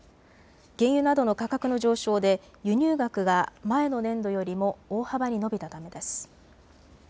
原油などの価格の上昇で輸入額が前の年度よりも大幅に伸びたためです。